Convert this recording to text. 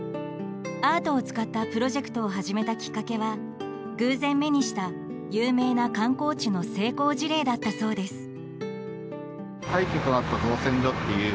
アートを使ったプロジェクトを始めたきっかけは偶然目にした、有名な観光地の成功事例だったそうです。